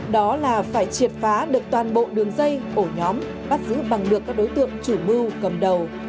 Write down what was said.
đó là phải triệt phá được toàn bộ đường dây ổ nhóm bắt giữ bằng được các đối tượng chủ mưu cầm đầu